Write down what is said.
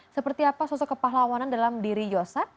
seperti apa sosok kepahlawanan dalam diri yosep